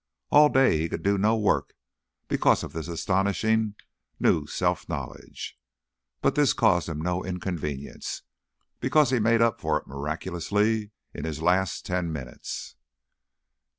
All day he could do no work because of this astonishingly new self knowledge, but this caused him no inconvenience, because he made up for it miraculously in his last ten minutes.